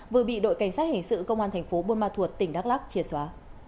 vừa bị đội cảnh sát hình sự công an thành phố buôn ma thuột tỉnh đắk lắc triệt xóa